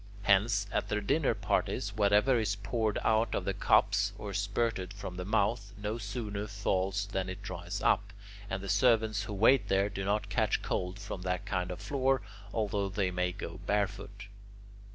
Hence, at their dinner parties, whatever is poured out of the cups, or spirted from the mouth, no sooner falls than it dries up, and the servants who wait there do not catch cold from that kind of floor, although they may go barefoot.